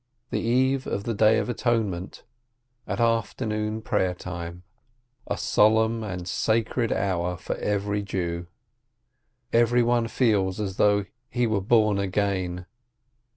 The Eve of the Day of Atonement, at Afternoon Prayer time. A solemn and sacred hour for every Jew. Everyone feels as though he were born again.